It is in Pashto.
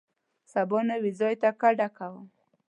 سبا نوي ځای ته کډه کوو.